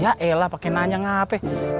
yaelah pake nanya ngapain